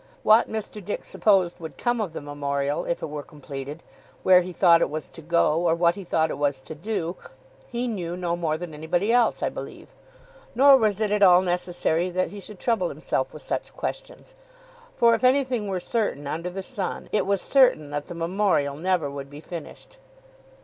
What Mr. Dick supposed would come of the Memorial, if it were completed; where he thought it was to go, or what he thought it was to do; he knew no more than anybody else, I believe. Nor was it at all necessary that he should trouble himself with such questions, for if anything were certain under the sun, it was certain that the Memorial never would be finished.